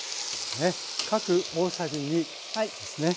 ね各大さじ２ですね。